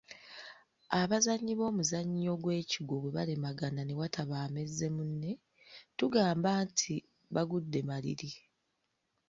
Abazannyi b’omuzannyo gw’ekigwo bwe balemagana ne wataba amezze munne, tugamba nti bagudde maliri.